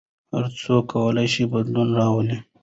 هر څوک کولای شي بدلون راولي.